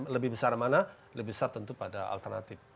lebih besar mana lebih besar tentu pada alternatif